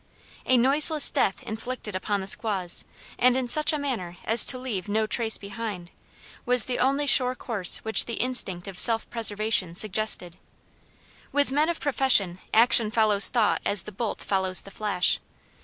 A noiseless death inflicted upon the squaws, and in such a manner as to leave no trace behind, was the only sure course which the instinct of self preservation suggested. With men of his profession action follows thought as the bolt follows the flash.